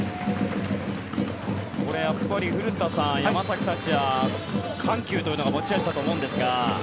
これ、やっぱり古田さん山崎福也は緩急というのが持ち味だと思うんですが。